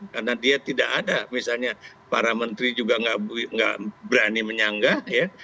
karena dia tidak ada misalnya para menteri juga nggak berani menyanggah ya